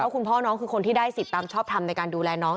คุณพ่อน้องคือคนที่ได้สิทธิ์ตามชอบทำในการดูแลน้อง